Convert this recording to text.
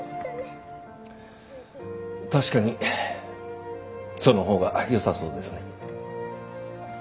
確かにそのほうがよさそうですね。